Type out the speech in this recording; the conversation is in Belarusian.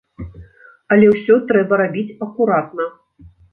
Але ўсё трэба рабіць акуратна.